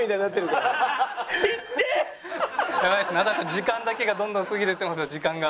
時間だけがどんどん過ぎてってますよ時間が。